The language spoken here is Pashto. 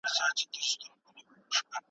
رسنیو د خلګو ږغ پورته کاوه.